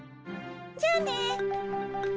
じゃあね。